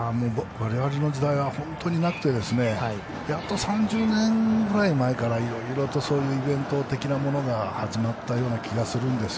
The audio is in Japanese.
私の時代は本当になくてやっと３０年ぐらい前からいろいろとそういうイベント的なものが始まったと思うんです。